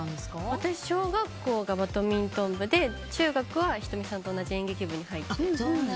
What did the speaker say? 私は小学校がバドミントン部で中学は仁美さんと同じ演劇部に入って。